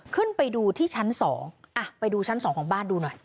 ขึ้นไปดูที่ชั้น๒อ่ะไปดูชั้น๒ของบ้านดูหน่อย